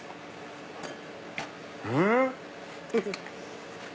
うん？